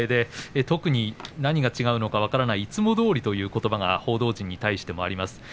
特に何が違うのか分からないいつもどおりということばが報道陣に対してありました。